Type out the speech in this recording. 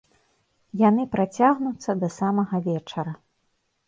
Яны працягнуцца да самага вечара.